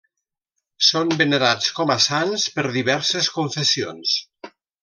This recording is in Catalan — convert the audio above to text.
Són venerats com a sants per diverses confessions.